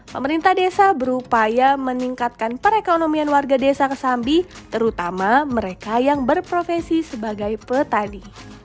pemerintah desa berupaya meningkatkan perekonomian warga desa kesambi terutama mereka yang berprofesi sebagai petani